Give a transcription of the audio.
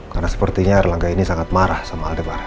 karena sepertinya erlangga ini sangat marah sama aldebaran